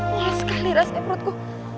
mulai sekali rasanya pelutku